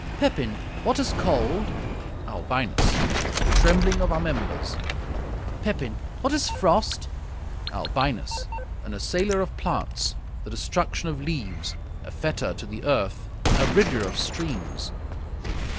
Pepin What is cold? Albinus The trembling of our members. Pepin What is frost? Albinus An assailer of plants; the destruction of leaves; a fetter to the earth; a bridger of streams.